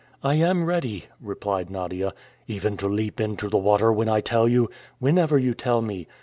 "I am ready," replied Nadia. "Even to leap into the water when I tell you?" "Whenever you tell me."